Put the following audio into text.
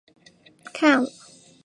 看了看时间